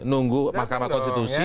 nunggu mahkamah konstitusi